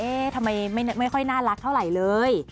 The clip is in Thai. ทำไมไม่ค่อยน่ารักเท่าไหร่เลย